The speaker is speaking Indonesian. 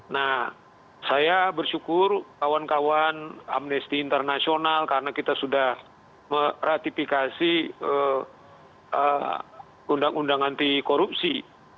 nah saya bersyukur kawan kawan amnesty international karena kita sudah meratifikasi undang undang anti korupsi